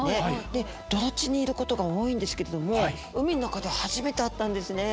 で泥地にいることが多いんですけれども海の中で初めて会ったんですね。